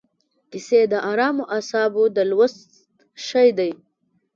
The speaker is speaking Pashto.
کیسې د ارامو اعصابو د لوست شی دی.